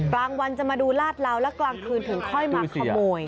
กลางวันจะมาดูลาดเหลาแล้วกลางคืนถึงค่อยมาขโมย